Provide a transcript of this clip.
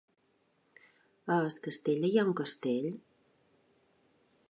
A Es Castell hi ha un castell?